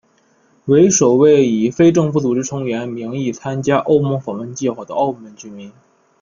为首位以非政府组织成员名义参加欧盟访问计划的澳门居民。